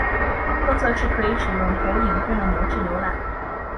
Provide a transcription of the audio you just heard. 特色是可以使用投影片的模式浏览。